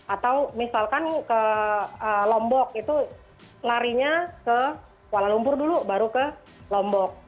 atau misalkan ke lombok itu larinya ke kuala lumpur dulu baru ke lombok